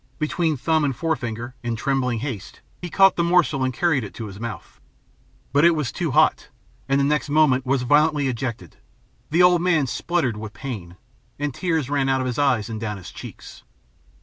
Between thumb and forefinger, in trembling haste, he caught the morsel and carried it to his mouth. But it was too hot, and the next moment was violently ejected. The old man spluttered with the pain, and tears ran out of his eyes and down his cheeks.